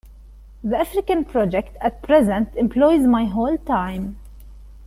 The African project at present employs my whole time.